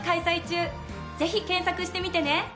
ぜひ検索してみてね！